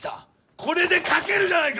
これで書けるじゃないか！